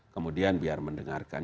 kemudian biar mendengarkan